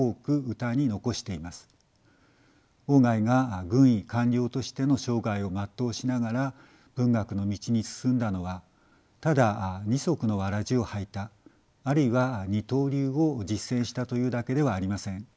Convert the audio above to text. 外が軍医官僚としての生涯を全うしながら文学の道に進んだのはただ二足のわらじを履いたあるいは二刀流を実践したというだけではありません。